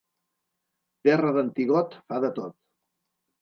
Terra d'antigot fa de tot.